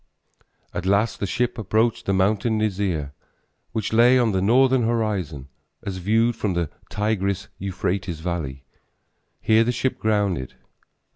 At last the ship approached the mountain Nisir which lay on the northern horizon, as viewed from the Tigris Euphrates valley. Here the ship grounded.